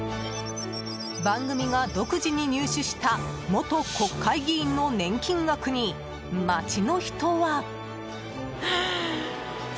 番組が独自に入手した元国会議員の年金額に街の人は。